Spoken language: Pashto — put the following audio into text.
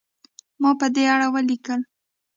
ما په دې اړه ولیکل.